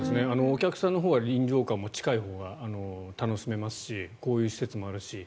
お客さんのほうは臨場感も近いほうが楽しめますしこういう施設もあるし。